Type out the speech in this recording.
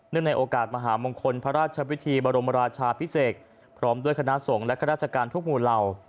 เนื่องในโอกาสมหามงคลพระราชวิธีบรมราชาภิเษกพร้อมด้วยคณะทรงและคณะราชการทุกภูราว